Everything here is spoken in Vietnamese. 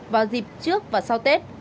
vào dịp trước và sau tết